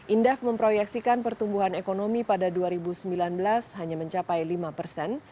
indef memproyeksikan pertumbuhan ekonomi pada dua ribu sembilan belas hanya mencapai lima persen